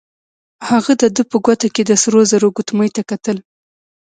هغه د ده په ګوته کې د سرو زرو ګوتمۍ ته کتل.